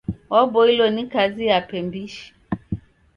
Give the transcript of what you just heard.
Waboilo ni kazi yape mbishi.